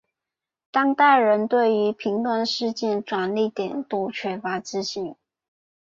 当代人对于评断事件转捩点多缺乏自信。